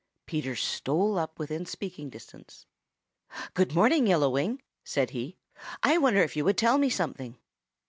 Peter stole up within speaking distance. "Good morning, Yellow Wing," said he. "I wonder if you will tell me something."